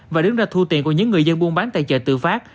và đứng ra thu tiền của những người dân buôn bán tại chợ tự phát